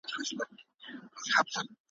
چي د هرات غم ځپلو اوسېدونکو ته `